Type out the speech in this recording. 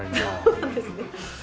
そうなんですね。